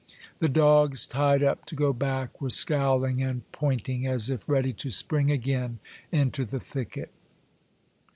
The dogs, tied up to go back, were scowling and point ing, as if ready to spring again into the thicket.